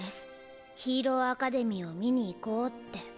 ヒーローアカデミーを見に行こうって。